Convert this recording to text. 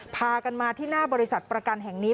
พากันมาที่หน้าบริษัทประกันแห่งนี้